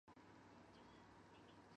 马正秀文革受害者。